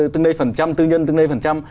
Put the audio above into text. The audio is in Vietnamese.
tương đê phần trăm tư nhân tương đê phần trăm